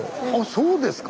そうですか。